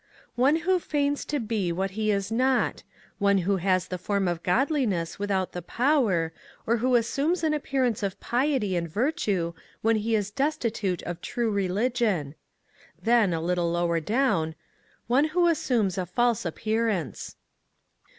" One who MAG AND MARGARET feigns to be what he is not; one who has the form of godliness without the power, or who assumes an appearance of piety and virtue when he is destitute of true religion." Then, a little lower down :" One who assumes a false appearance."